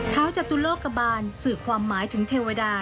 จตุโลกบาลสื่อความหมายถึงเทวดา